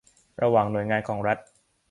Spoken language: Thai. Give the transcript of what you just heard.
ระหว่างหน่วยงานของรัฐ